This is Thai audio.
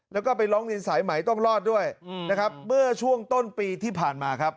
แล้วก็ไปร้องเรียนสายไหมต้องรอดด้วยนะครับเมื่อช่วงต้นปีที่ผ่านมาครับ